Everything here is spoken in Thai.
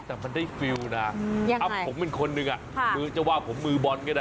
แต่มันได้ความรู้สึกผมเป็นคนหนึ่งจะว่าผมมือบอลก็ได้